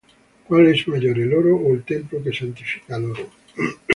¿cuál es mayor, el oro, ó el templo que santifica al oro?